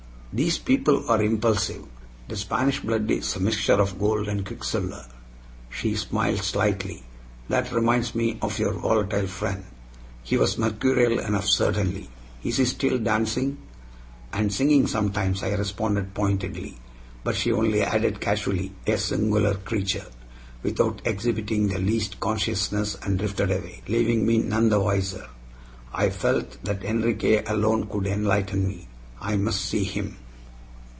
"These people are impulsive. The Spanish blood is a mixture of gold and quicksilver." She smiled slightly. "That reminds me of your volatile friend. He was mercurial enough, certainly. Is he still dancing?" "And singing sometimes," I responded pointedly. But she only added casually, "A singular creature," without exhibiting the least consciousness, and drifted away, leaving me none the wiser. I felt that Enriquez alone could enlighten me. I must see him.